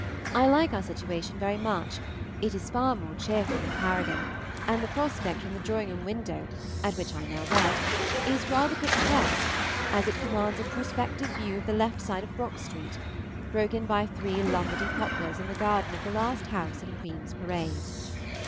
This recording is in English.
I like our situation very much; it is far more cheerful than Paragon, and the prospect from the drawing room window, at which I now write, is rather picturesque, as it commands a prospective view of the left side of Brock Street, broken by three Lombardy poplars in the garden of the last house in Queen's Parade.